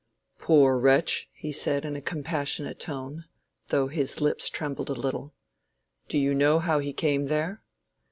"Poor wretch!" he said in a compassionate tone, though his lips trembled a little. "Do you know how he came there?"